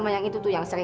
ayah yang bikin